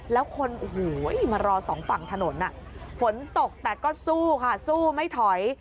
แล้วคนโอ้โหมารอสองฝั่งถนนฝนตกแต่ก็สู้ค่ะสู้ไม่ถอย